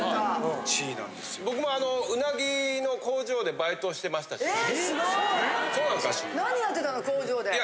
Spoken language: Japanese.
僕もうなぎの工場でバイトをしてすごい。